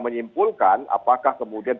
menyimpulkan apakah kemudian